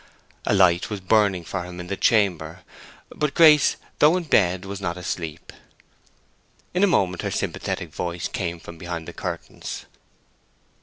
A light was burning for him in the chamber; but Grace, though in bed, was not asleep. In a moment her sympathetic voice came from behind the curtains.